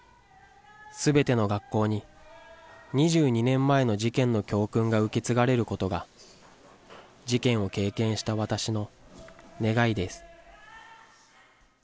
すべての学校に２２年前の事件の教訓が受け継がれることが、事件を経験した私の願いです。